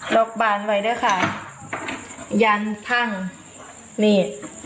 ล็อกบานไว้ด้วยค่ะยันพังนี่